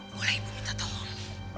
boleh ibu minta tolong